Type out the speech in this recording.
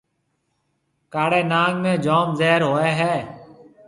ڪاݪيَ ناگ ۾ جوم زهر هوئي هيَ۔